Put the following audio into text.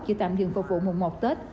chỉ tạm dừng phục vụ mùng một tết